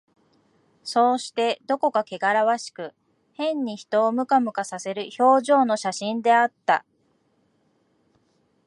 そうして、どこかけがらわしく、変に人をムカムカさせる表情の写真であった